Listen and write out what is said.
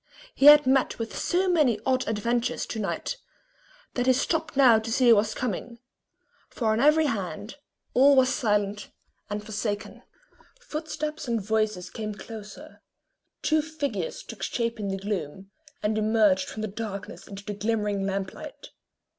He had met with so many odd ad ventures to night that he stopped now to see who was coming; for on every hand all was silent and forsaken. Footsteps and voices came closer; two figures took shape in the gloom, and emerged from the darkness into the glimmering lamp light.